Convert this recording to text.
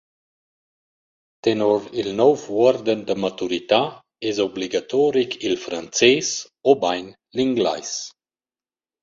Tenor il nouv uorden da maturità es obligatoric il frances obain l’inglais.